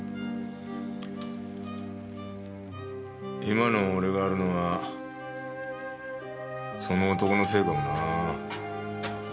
今の俺があるのはその男のせいかもな。